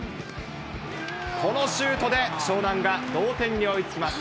このシュートで、湘南が同点に追いつきます。